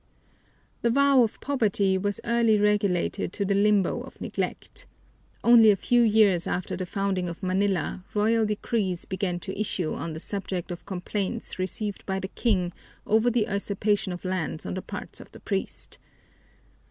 The vow of poverty was early relegated to the limbo of neglect. Only a few years after the founding of Manila royal decrees began to issue on the subject of complaints received by the King over the usurpation of lands on the part of the priests.